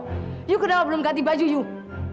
kamu kenapa belum ganti baju gua